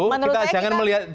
menurut saya kita